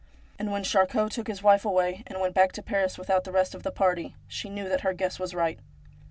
And when Charcot took his wife away, and went back to Paris without the rest of the party, she knew that her guess was right.